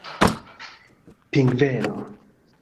pingveno